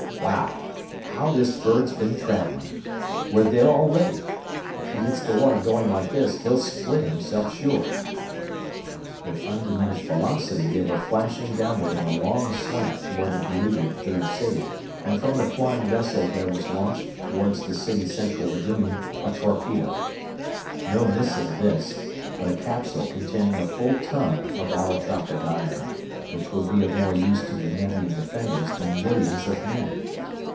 Wow! how this bird's been traveling! We're there already! If he hits the water going like this, he'll split himself, sure!" With undiminished velocity they were flashing downward in a long slant toward the beleaguered Third City, and from the flying vessel there was launched toward the city's central lagoon a torpedo. No missile this, but a capsule containing a full ton of allotropic iron, which would be of more use to the Nevian defenders than millions of men.